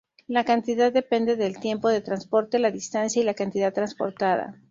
La cantidad depende del tiempo de transporte, la distancia y la cantidad transportada.